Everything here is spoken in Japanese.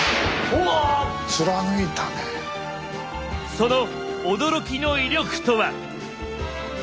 その驚きの威力とは。